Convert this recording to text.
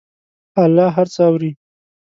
الله هر څه اوري.